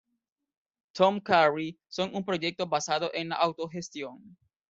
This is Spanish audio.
Tom Cary son un proyecto basado en la autogestión.